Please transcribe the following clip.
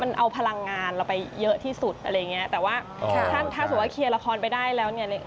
มันเอาพลังงานเราไปเยอะที่สุดอะไรอย่างเงี้ยแต่ว่าถ้าถ้าสมมุติว่าเคลียร์ละครไปได้แล้วเนี่ย